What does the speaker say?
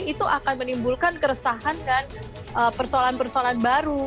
itu akan menimbulkan keresahan dan persoalan persoalan baru